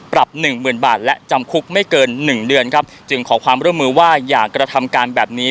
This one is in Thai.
หนึ่งหมื่นบาทและจำคุกไม่เกินหนึ่งเดือนครับจึงขอความร่วมมือว่าอย่ากระทำการแบบนี้